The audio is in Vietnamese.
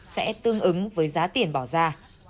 sẽ tương ứng với giá tiền bỏ ra